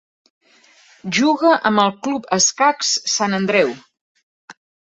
Juga amb el Club Escacs Sant Andreu.